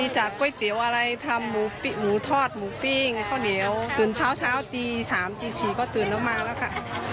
เช้าตี๓ตี๔ก็ตื่นแล้วมาแล้วค่ะ